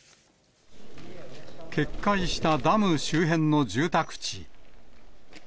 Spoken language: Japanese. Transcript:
決壊したダム周辺の住宅地。